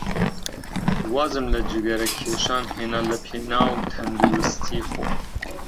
وازم لە جگەرەکێشان هێنا لەپێناو تەندروستیی خۆم.